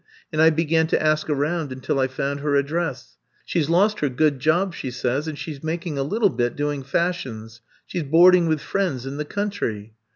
And I began to ask around until I found her address. She 's lost her good job, she says, and she 's mak ing a little bit doing fashions. She *s boarding with friends in the country.'